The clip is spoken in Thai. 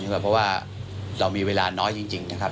เพราะว่าเรามีเวลาน้อยจริงนะครับ